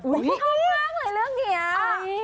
อุ้ยเขาเลือกเลยเรื่องนี้